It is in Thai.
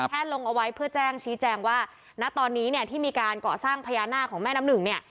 ลงเอาไว้เพื่อแจ้งชี้แจงว่าณตอนนี้เนี่ยที่มีการก่อสร้างพญานาคของแม่น้ำหนึ่งเนี่ย